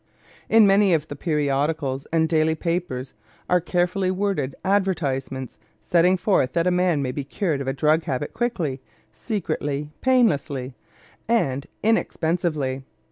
In many of the periodicals and daily papers are carefully worded advertisements setting forth that a man may be cured of a drug habit quickly, secretly, painlessly, and inexpensively.